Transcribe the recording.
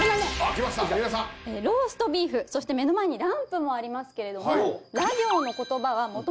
ローストビーフそして目の前にランプもありますけれども。